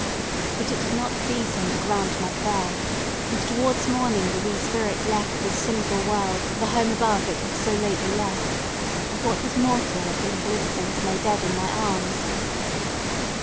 But it did not please Him to grant my prayer, and towards morning the wee spirit left this sinful world for the home above it had so lately left, and what was mortal of the little infant lay dead in my arms.